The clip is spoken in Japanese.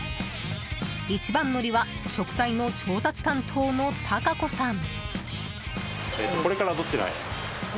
一番乗りは食材の調達担当の孝子さん。